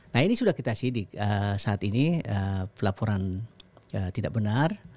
nah ini sudah kita sidik saat ini pelaporan tidak benar